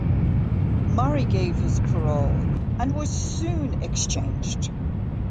Murray gave his parole, and was soon exchanged.